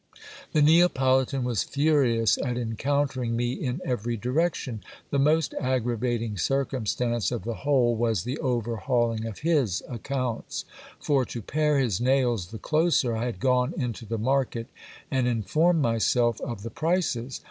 The Neapolitan was furious at encountering me in every direction. The most aggravating circumstance of the whole was the overhauling of his accounts ; for, to pare his nails the closer, I had gone into the market, and informed myself of the prices.